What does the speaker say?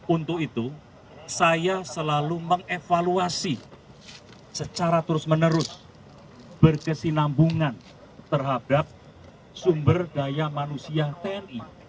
untuk itu saya selalu mengevaluasi secara terus menerus berkesinambungan terhadap sumber daya manusia tni